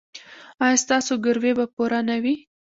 ایا ستاسو ګروي به پوره نه وي؟